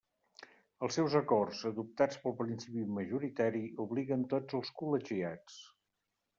Els seus acords, adoptats pel principi majoritari, obliguen tots els col·legiats.